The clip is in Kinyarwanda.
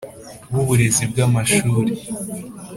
W uburezi bw amashuri